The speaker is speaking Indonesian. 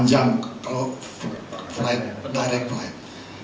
delapan jam kalau flight direct flight